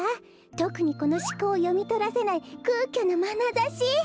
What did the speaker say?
とくにこのしこうをよみとらせないくうきょなまなざし。